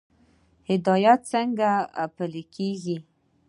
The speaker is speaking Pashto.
هدایت څنګه پلی کیږي؟